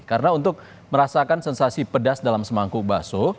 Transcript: karena untuk merasakan sensasi pedas dalam semangkuk bakso